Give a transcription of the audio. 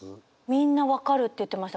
みんな「分かる」って言ってました。